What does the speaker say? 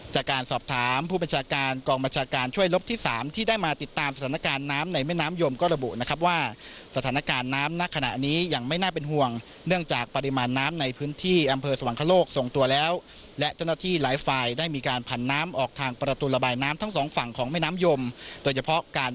จากการสอบถามผู้บัญชาการกองบัญชาการช่วยลบที่สามที่ได้มาติดตามสถานการณ์น้ำในแม่น้ำยมก็ระบุนะครับว่าสถานการณ์น้ำณขณะนี้ยังไม่น่าเป็นห่วงเนื่องจากปริมาณน้ำในพื้นที่อำเภอสวรรคโลกส่งตัวแล้วและเจ้าหน้าที่หลายฝ่ายได้มีการผันน้ำออกทางประตูระบายน้ำทั้งสองฝั่งของแม่น้ำยมโดยเฉพาะการ